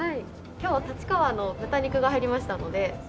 今日は立川の豚肉が入りましたので。